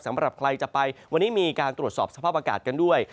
สำหรับใครจะไปวันนี้มีการตรวจสอบสภาพอากาศกันด้วย